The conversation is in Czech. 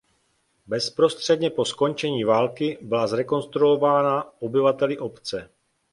Bezprostředně po skončení války byla zrekonstruována obyvateli obce.